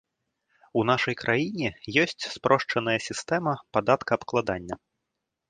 У нашай краіне ёсць спрошчаная сістэма падаткаабкладання.